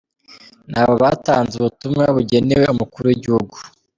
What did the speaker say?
Ni bo batanze ubutumwa bugenewe umukuru w’igihugu.